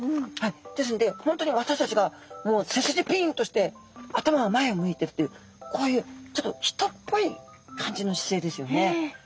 ですので本当に私たちがもう背筋ピンとして頭は前を向いてるというこういうちょっと人っぽい感じの姿勢ですよね。